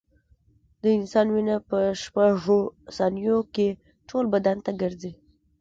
د انسان وینه په شپږو ثانیو کې ټول بدن ګرځي.